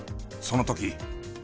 その時。